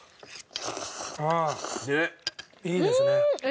ああいいですね。